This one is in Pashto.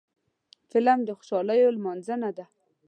فلم د خوشحالیو لمانځنه ده